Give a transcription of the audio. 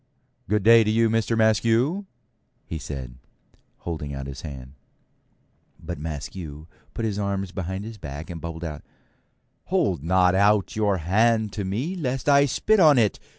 'Good day to you, Mister Maskew,' says he, holding out his hand. But Maskew puts his arms behind his back and bubbles out, 'Hold not out your hand to me lest I spit on it.